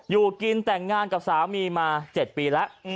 อยู่กินแต่งงานกับสามีมา๗ปีแล้ว